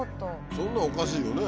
そんなのおかしいよね。